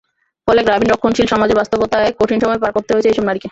ফলে গ্রামীণ রক্ষণশীল সমাজের বাস্তবতায় কঠিন সময় পার করতে হয়েছে এসব নারীকে।